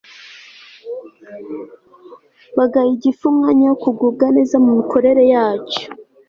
bagaha igifu umwanya wo kugubwa neza mu mikorere yacyo